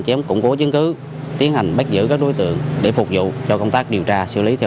cầm đồ xiết nợ đòi nợ thuê